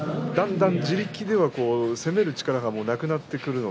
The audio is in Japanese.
地力ではだんだん力がなくなってきます。